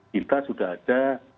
kita sudah ada